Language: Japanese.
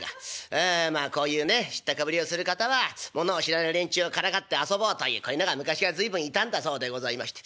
こういうね知ったかぶりをする方は物を知らない連中をからかって遊ぼうというこういうのが昔から随分いたんだそうでございまして。